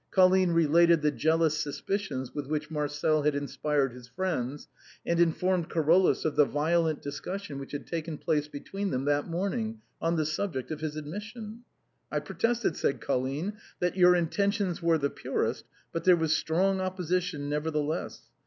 Colline re lated the jealous suspicions with which Marcel had in spired his friends, and informed Carolus of the violent discussion which had taken place between them that morn ing on the subject of his admission. " I protested," said Colline, " that your intentions were the purest, but there was a strong opposition, nevertheless.